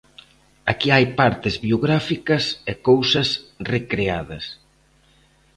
Aquí hai partes biográficas e cousas recreadas.